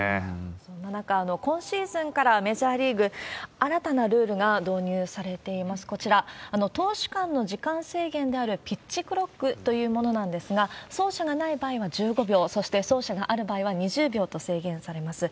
そんな中、今シーズンからメジャーリーグ、新たなルールが導入されています、こちら、投手間の時間制限であるピッチクロックというものなんですけれども、走者がない場合は１５秒、そして走者がある場合は２０秒と制限されます。